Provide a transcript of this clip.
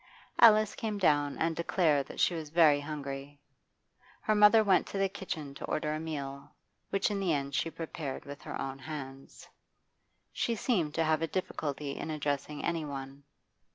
Alice came down and declared that she was very hungry. Her mother went to the kitchen to order a meal, which in the end she prepared with her own hands. She seemed to have a difficulty in addressing any one.